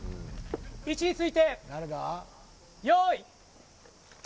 位置について用意。